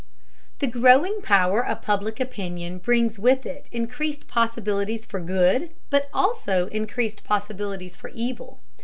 The growing power of Public Opinion brings with it increased possibilities for good, but also increased possibilities for evil.